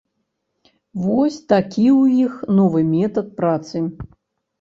Вось такі ў іх новы метад працы.